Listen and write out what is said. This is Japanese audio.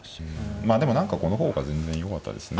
まあでも何かこの方が全然よかったですね